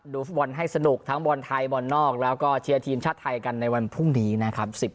ดูฟุตบอลให้สนุกทั้งบอลไทยบอลนอกแล้วก็เชียร์ทีมชาติไทยกันในวันพรุ่งนี้นะครับ